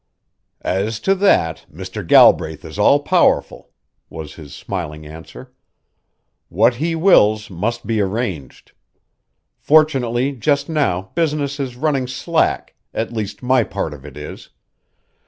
"As to that, Mr. Galbraith is all powerful," was his smiling answer. "What he wills must be arranged. Fortunately just now business is running slack, at least my part of it is.